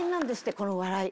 この笑い。